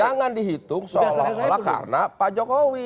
jangan dihitung seolah olah karena pak jokowi